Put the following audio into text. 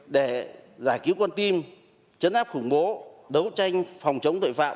để giải cứu con tim chấn áp khủng bố đấu tranh phòng chống tội phạm